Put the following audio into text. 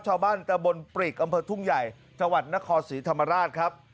ชาวบ้านอยู่บนปริกอัมเภอทุ่งใหญ่จาวัรณครศรีธรรมราชครับ